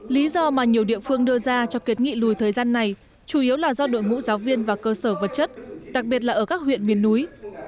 lý do mà nhiều địa phương đưa ra cho kiến nghị lùi thời gian này chủ yếu là do đội ngũ giáo viên và cơ sở vật chất đặc biệt là ở các huyện miền núi